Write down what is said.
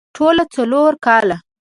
ټول څلور کاله